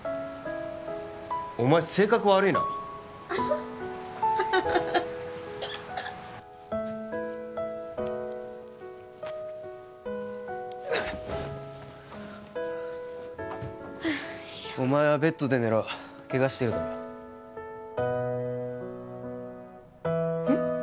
お前性格悪いなお前はベッドで寝ろケガしてるだろうん？